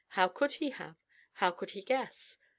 How could he have? How could he guess?